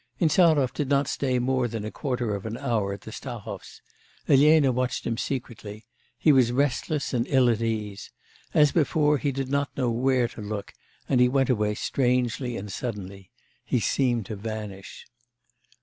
Insarov did not stay more than a quarter of an hour at the Stahovs'. Elena watched him secretly. He was restless and ill at ease. As before, he did not know where to look, and he went away strangely and suddenly; he seemed to vanish.